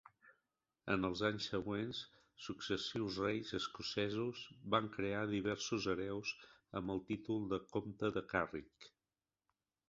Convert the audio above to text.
En els anys següents, successius reis escocesos van crear diversos hereus amb el títol de comte de Carrick.